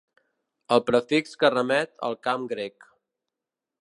El prefix que remet al camp grec.